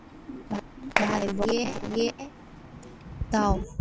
ভাই, বল দিয়ে দাও।